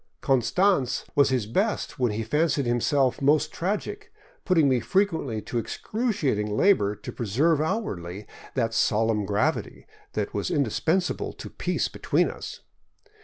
Konanz was at his best when he fancied himself most tragic, putting me frequently to excruciating labor to preserve outwardly that solemn gravity that was indispensable to peace between us.